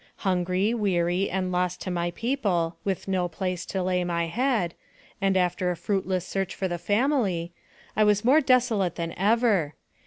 Hungry, weary, and lost to my people, with no place to lay my head, and after a fruit less search for the family, I was more desolate than ever.